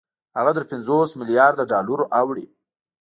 هغه تر پنځوس مليارده ډالرو اوړي